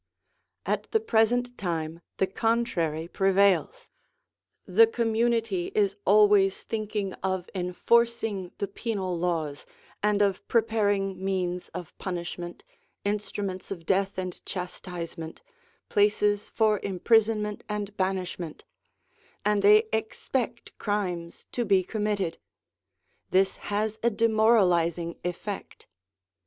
At the present time the contrary prevails : the community is always thinking of enforcing the penal laws, and of preparing means of punishment, instruments of death and chastisement, places for imprisonment and banishment; and they expect crimes to be committed. This has a demoralising effect.